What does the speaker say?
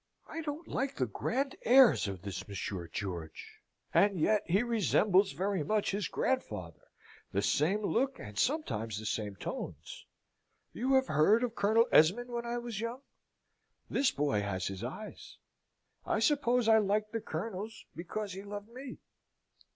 I don't like the grand airs of this Monsieur George; and yet he resembles, very much, his grandfather the same look and sometimes the same tones. You have heard of Colonel Esmond when I was young? This boy has his eyes. I suppose I liked the Colonel's because he loved me."